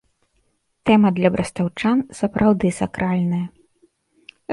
Тэма для брастаўчан, сапраўды, сакральная.